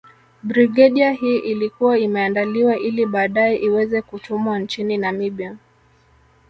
Brigedia hii ilikuwa imeandaliwa ili baadae iweze kutumwa nchini Namibia